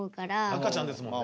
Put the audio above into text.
赤ちゃんですもんね。